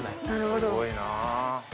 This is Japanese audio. すごいな。